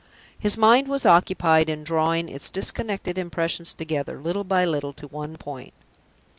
His mind was occupied in drawing its disconnected impressions together, little by little, to one point.